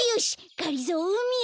がりぞーうみだ。